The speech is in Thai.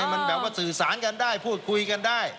มันแบบว่าสื่อสารกันได้พูดคุยกันได้